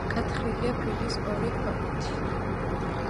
გათხრილია ფიქლის ორი ქვაყუთი.